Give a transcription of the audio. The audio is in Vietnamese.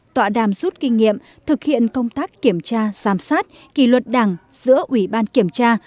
tọa đàm rút kinh nghiệm thực hiện công tác kiểm tra giám sát kỳ luật đảng giữa ủy ban kiểm tra